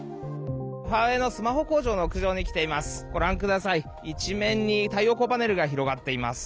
ファーウェイのスマホ工場の屋上に来ています。